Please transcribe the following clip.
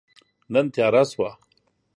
نن تیاره شوه